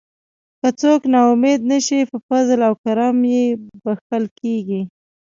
که څوک نا امید نشي په فضل او کرم یې بښل کیږي.